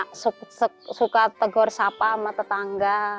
saya suka tegur sapa sama tetangga